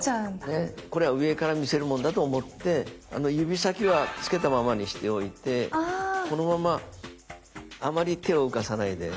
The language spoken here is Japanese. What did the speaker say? これは上から見せるもんだと思って指先はつけたままにしておいてこのままあまり手を浮かさないで。